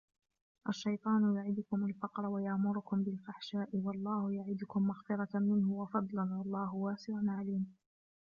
الشَّيْطَانُ يَعِدُكُمُ الْفَقْرَ وَيَأْمُرُكُمْ بِالْفَحْشَاءِ وَاللَّهُ يَعِدُكُمْ مَغْفِرَةً مِنْهُ وَفَضْلًا وَاللَّهُ وَاسِعٌ عَلِيمٌ